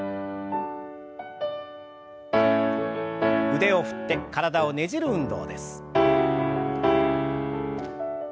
腕を振って体をねじる運動です。